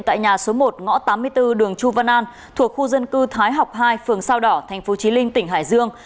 tại nhà số một ngõ tám mươi bốn đường chu văn an thuộc khu dân cư thái học hai phường sao đỏ tp chí linh tỉnh hải dương